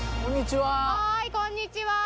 はいこんにちは。